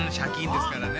ですからね。